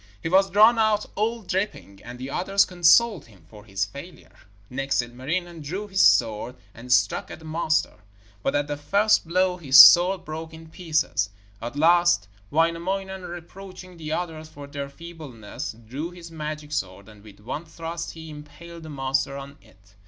He was drawn out all dripping, and the others consoled him for his failure. Next Ilmarinen drew his sword and struck at the monster, but at the first blow his sword broke in pieces. At last Wainamoinen, reproaching the others for their feebleness, drew his magic sword, and with one thrust he impaled the monster on it.